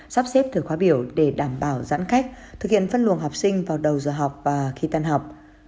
sắp xếp thời khóa biểu để đảm bảo giãn cách thực hiện phân luồng học sinh vào đầu giờ học và khi tan học